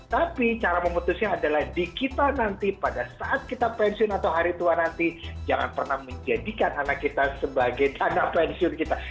tapi cara memutusnya adalah di kita nanti pada saat kita pensiun atau hari tua nanti jangan pernah menjadikan anak kita sebagai anak pensiun kita